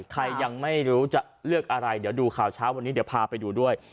ยังไม่รู้จะเลือกอะไรเดี๋ยวดูข่าวเช้าวันนี้เดี๋ยวพาไปดูด้วย